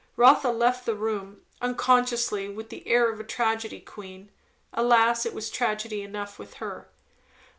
Rotha left the room, unconsciously with the air of a tragedy queen. Alas, it was tragedy enough with her!